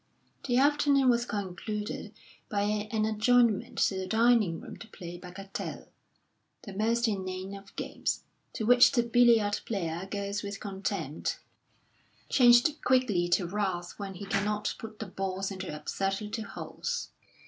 The afternoon was concluded by an adjournment to the dining room to play bagatelle, the most inane of games, to which the billiard player goes with contempt, changed quickly to wrath when he cannot put the balls into absurd little holes.